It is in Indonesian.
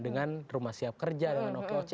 dengan rumah siap kerja dengan okoc